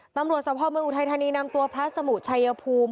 ตำรวจสภาพเมืองอุทัยธานีนำตัวพระสมุทรชัยภูมิ